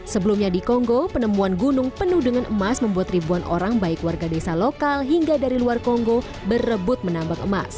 sebelumnya di kongo penemuan gunung penuh dengan emas membuat ribuan orang baik warga desa lokal hingga dari luar kongo berebut menambang emas